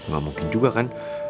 gak mungkin juga kan